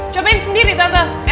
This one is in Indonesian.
cobain sendiri tante